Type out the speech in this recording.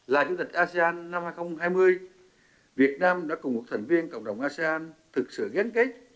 là chủ tịch asean năm hai nghìn hai mươi việt nam đã cùng một thành viên cộng đồng asean thực sự gắn kết